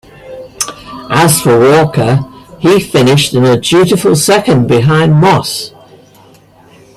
As for Walker, he finished in a dutiful second behind Moss.